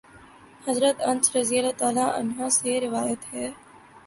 حضرت انس رضی اللہ عنہ سے روایت ہے